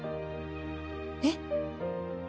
えっ。